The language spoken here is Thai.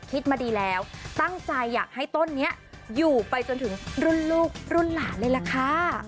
คิดมาดีแล้วตั้งใจอยากให้ต้นนี้อยู่ไปจนถึงรุ่นลูกรุ่นหลานเลยล่ะค่ะ